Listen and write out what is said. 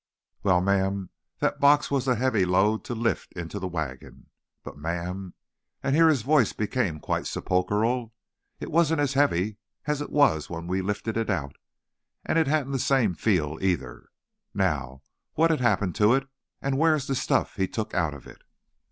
"Well, ma'am, that box was a heavy load to lift into the wagon, but, ma'am" here his voice became quite sepulchral "it wasn't as heavy as it was when we lifted it out, and it hadn't the same feel either. Now, what had happened to it, and where is the stuff he took out of it?"